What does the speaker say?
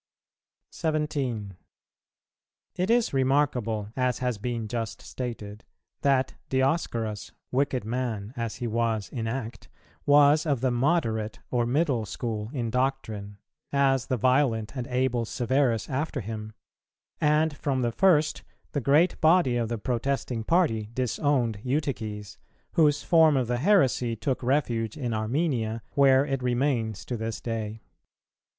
17. It is remarkable, as has been just stated, that Dioscorus, wicked man as he was in act, was of the moderate or middle school in doctrine, as the violent and able Severus after him; and from the first the great body of the protesting party disowned Eutyches, whose form of the heresy took refuge in Armenia, where it remains to this day.